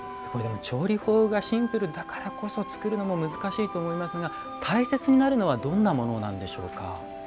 調理法がシンプルだからこそ作るのも難しいと思いますが大切になるのはどんなものなんでしょうか。